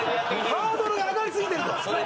ハードルが上がりすぎてると？